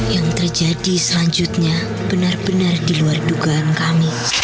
yang terjadi selanjutnya benar benar diluar dugaan kami